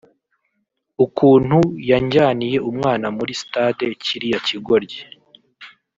ukuntu yanjyaniye umwana muri Stade kiriya kigoryi…”